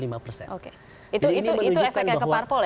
itu efeknya keparpol ya